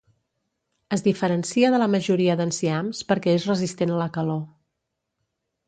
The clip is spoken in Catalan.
Es diferencia de la majoria d'enciams perquè és resistent a la calor.